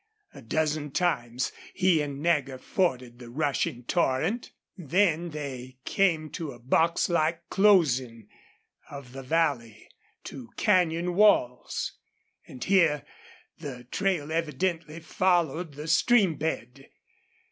A dozen times he and Nagger forded the rushing torrent. Then they came to a box like closing of the valley to canyon walls, and here the trail evidently followed the stream bed.